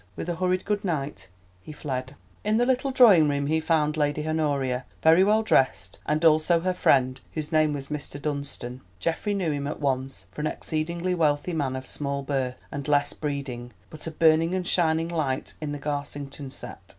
With a hurried good night he fled. In the little drawing room he found Lady Honoria, very well dressed, and also her friend, whose name was Mr. Dunstan. Geoffrey knew him at once for an exceedingly wealthy man of small birth, and less breeding, but a burning and a shining light in the Garsington set. Mr.